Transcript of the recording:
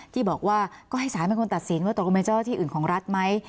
ที่บอกว่าก็ให้ศาสตร์เป็นคนตัดสินว่าตรงไว้เจ้าที่อื่นของรัฐไหม